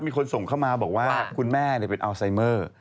มีคนส่งเข้ามาบอกว่าคุณแม่เป็นอัลไซเมอร์